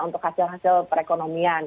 untuk hasil hasil perekonomian